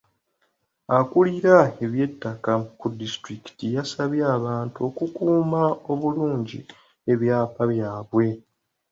Akuulira eby'ettaka ku disitulikiti yasabye abantu okukuuma obulungi ebyapa byabwe.